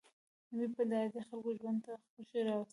دوی به د عادي خلکو ژوند ته خوښي راوستله.